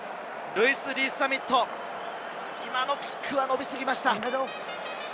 ルイス・リース＝ザミット、今のキックは伸びすぎました。